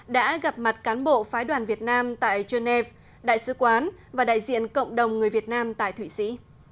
đã gặp mặt cán bộ phái đoàn việt nam tại genève đại sứ quán và đại diện cộng đồng người việt nam tại thụy sĩ